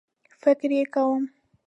فکر یې کوم